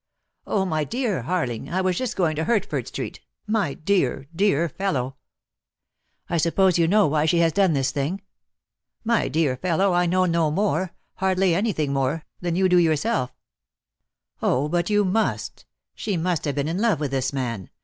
"Oh, my dear Harling, I was just going to Hert ford Street — my dear, dear fellow!" "I suppose you know why she has done this thing?" "My dear fellow, I know no more — hardly any thing more — than you do yourself." "Oh, but you must. She must have been in love with this man.